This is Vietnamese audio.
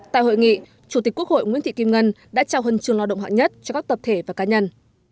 tại hội nghị chủ tịch quốc hội nguyễn thị kim ngân đã trao hân trường lo động hạng nhất cho các tập thể và cá nhân